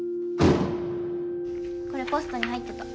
これポストに入ってた。